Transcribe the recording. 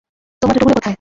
তোমার জুতোগুলো কোথায়?